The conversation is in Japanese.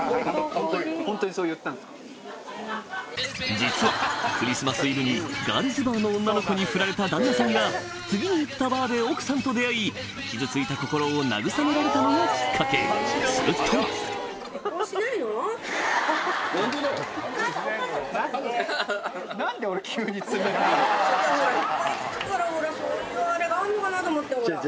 実はクリスマスイブにガールズバーの女の子にフラれた旦那さんが次に行ったバーで奥さんと出会い傷ついた心を慰められたのがきっかけすると何もない。